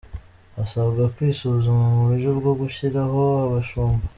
Hasabwe kwisuzuma mu buryo bwo gushyiraho abashumba.